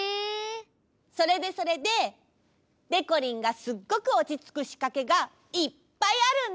それでそれででこりんがすっごくおちつくしかけがいっぱいあるんだ！